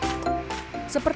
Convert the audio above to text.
bisa ditambahkan dengan lemon